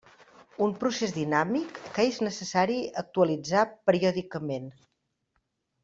Un procés dinàmic que és necessari actualitzar periòdicament.